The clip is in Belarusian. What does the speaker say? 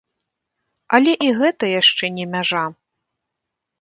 Але і гэта яшчэ не мяжа.